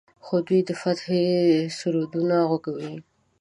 خو دوی د فتحې سرودونه غږوي.